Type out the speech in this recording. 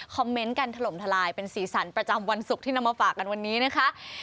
เมนต์กันถล่มทลายเป็นสีสันประจำวันศุกร์ที่นำมาฝากกันวันนี้นะคะ